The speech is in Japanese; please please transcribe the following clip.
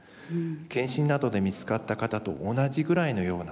検診などで見つかった方と同じぐらいの予後なんですね。